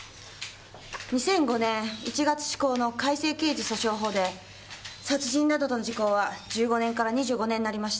２００５年１月施行の改正刑事訴訟法で殺人などの時効は１５年から２５年になりました。